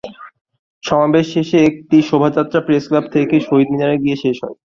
সমাবেশ শেষে একটি শোভাযাত্রা প্রেসক্লাব থেকে শহীদ মিনারে গিয়ে শেষ হয়।